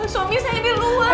suami saya di luar